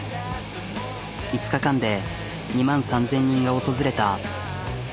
５日間で２万３、０００人が訪れた。